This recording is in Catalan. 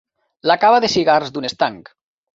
La cava de cigars d'un estanc.